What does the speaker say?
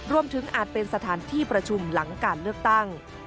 อาจเป็นสถานที่ประชุมหลังการเลือกตั้ง